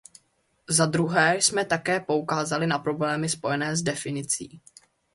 Za druhé jsme také poukázali na problémy spojené s definicí.